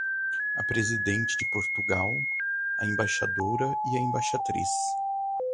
A presidente de Portugal, a embaixadora e a embaixatriz.